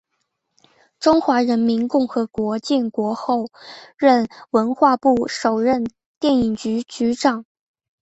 中华人民共和国建国后任文化部首任电影局局长。